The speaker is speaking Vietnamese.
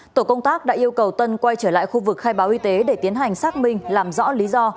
tổ công tác đã yêu cầu tân quay trở lại khu vực khai báo y tế để tiến hành xác minh làm rõ lý do